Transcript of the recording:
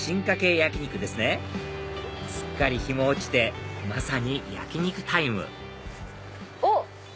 焼き肉ですねすっかり日も落ちてまさに焼き肉タイムおっ！